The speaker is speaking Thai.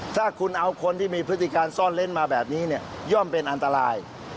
ถ้าคุณเอาคนที่มีพฤติการซ่อนเล้นมาแบบนี้เนี่ยย่อมเป็นอันตราย